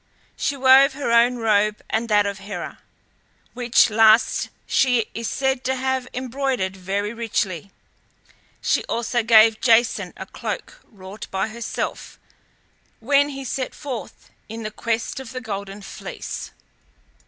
She wove her own robe and that of Hera, which last she is said to have embroidered very richly; she also gave Jason a cloak wrought by herself, when he set forth in quest of the Golden Fleece.